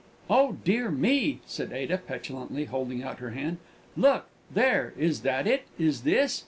"Oh, dear me!" said Ada, petulantly, holding out her hand, "look there is that it? is this?